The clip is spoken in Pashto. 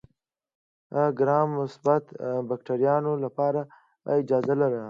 ګرام مثبت بکټریاوې لاندې اجزا لري.